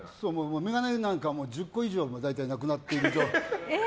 眼鏡なんか１０個以上なくなってる。